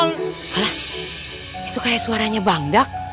alah itu kayak suaranya bangdak